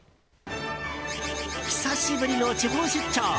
久しぶりの地方出張！